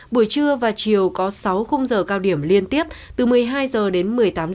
buổi trưa và chiều có sáu khung giờ cao điểm liên tiếp từ một mươi hai h đến một mươi tám h